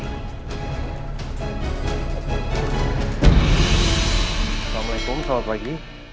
assalamualaikum selamat pagi